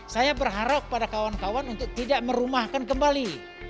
saya berharap pada kawan kawan untuk tidak merumahkan kembali